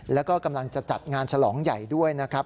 แล้วก็กำลังจะจัดงานฉลองใหญ่ด้วยนะครับ